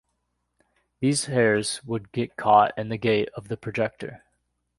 These hairs would get caught in the 'gate' of the projector.